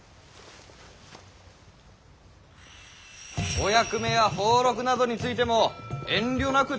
お役目や俸禄などについても遠慮なく尋ねられよ。